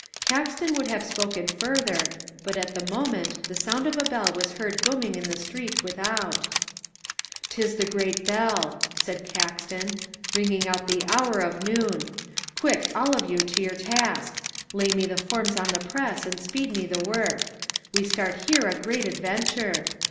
Caxton would have spoken further but at the moment the sound of a bell was heard booming in the street without. "'Tis the Great Bell," said Caxton, "ringing out the hour of noon. Quick, all of you to your task. Lay me the forms on the press and speed me the work. We start here a great adventure.